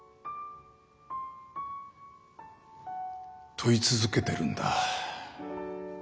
問い続けてるんだ。